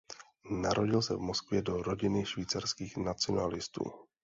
Narodil se v Moskvě do rodiny švýcarských nacionalistů.